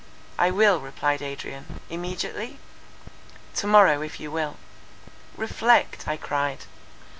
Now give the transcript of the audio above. "I will," replied Adrian. "Immediately?" "To morrow if you will." "Reflect!" I cried.